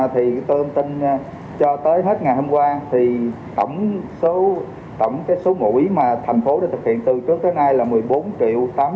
thì tôi thông tin cho tới hết ngày hôm qua thì tổng cái số mũi mà thành phố đã thực hiện từ trước tới nay là một mươi bốn tám trăm hai mươi bảy sáu trăm tám mươi năm mũi